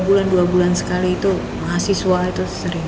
tiga bulan dua bulan sekali itu mahasiswa itu sering